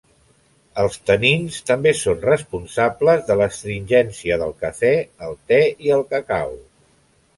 Els tanins també són responsables de l'astringència del cafè, el te i el cacau.